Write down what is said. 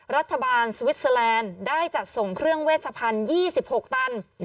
รัฐบาลสวิสเตอร์แลนด์ได้จัดส่งเครื่องเวชพันธุ์๒๖ตัน